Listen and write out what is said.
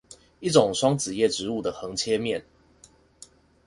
一種雙子葉植物的橫切面